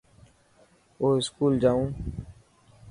آو اسڪول جائون.